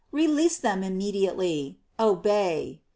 Release them immediately — obey."